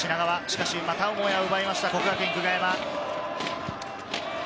しかし、またもや奪いました、國學院久我山。